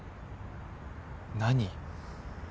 何？